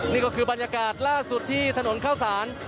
นี่ก็คือบรรยากาศล่าสุดที่ถนนเข้าสาร